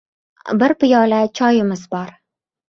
— Bir piyola choyimiz bor.